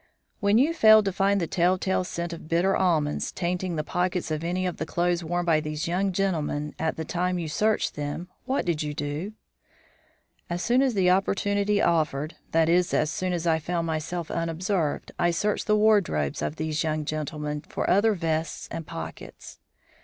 "When you failed to find the tell tale scent of bitter almonds tainting the pockets of any of the clothes worn by these young gentlemen at the time you searched them, what did you do?" "As soon as opportunity offered, that is, as soon as I found myself unobserved, I searched the wardrobes of these young gentlemen for other vests and pockets."